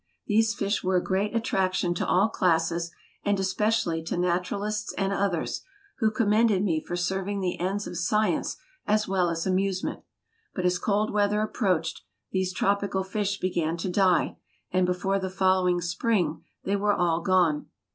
These fish were a great attraction to all classes, and especially to naturalists and others, who commended me for serving the ends of science as well as amusement. But as cold weather approached, these tropical fish began to die, and before the following spring, they were all gone.